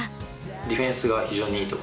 ディフェンスが非常にいいと